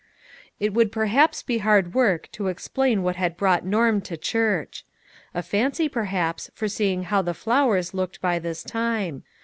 It would perhaps be hard work to explain what had brought Norm to church. A fancy perhaps for seeing how the flowers looked by this time.